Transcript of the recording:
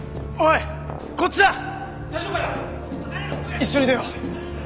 一緒に出よう。